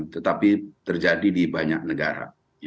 tetapi terjadi di banyak negara